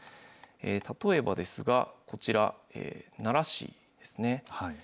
例えばですが、こちら、奈良市ですね。